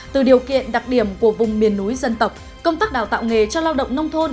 từ điều kiện đặc điểm của vùng miền núi dân tộc công tác đào tạo nghề cho lao động nông thôn